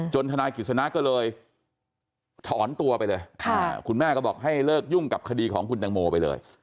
ทนายกิจสนะก็เลยถอนตัวไปเลยคุณแม่ก็บอกให้เลิกยุ่งกับคดีของคุณตังโมไปเลย